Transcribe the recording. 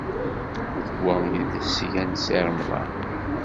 D wa ay d asga n Si Remḍan?